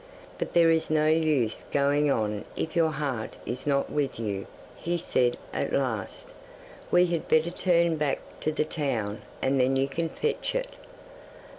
'But there is no use going on if your heart is not with you,' he said at last. 'We had better turn back to the town, and then you can fetch it.